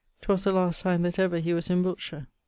'Twas the last time that ever he was in Wiltshire.